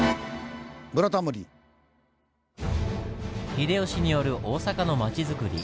秀吉による大阪の町づくり。